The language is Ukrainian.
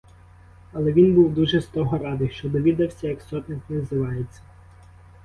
Але він був дуже з того радий, що довідався, як сотник називається.